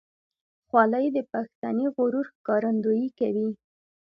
خولۍ د پښتني غرور ښکارندویي کوي.